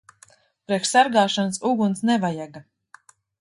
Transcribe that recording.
Priekš sargāšanas uguns nevajaga.